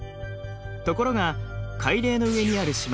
ところが海嶺の上にある島